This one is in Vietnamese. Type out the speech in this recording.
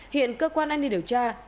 hiện cơ quan an ninh điều tra